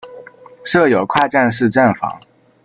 设有跨站式站房。